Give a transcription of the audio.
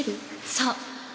そう。